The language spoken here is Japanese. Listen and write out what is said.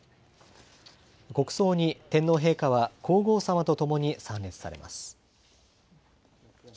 国葬に天皇陛下は皇后さまと共に参列されます。